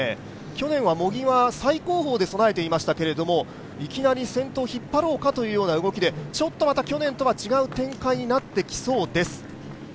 去年は茂木は最高峰で備えていましたけれども、いきなり先頭を引っ張ろうかという動きでちょっとまた去年とは違う展開になってきそうです。